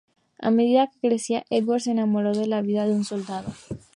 A medida que crecía, Edward se enamoró de la vida de un soldado.